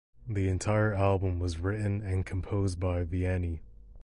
The entire album was written and composed by Vianney.